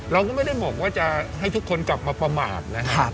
เราก็ไม่ได้บอกว่าจะให้ทุกคนกลับมาประมาทนะ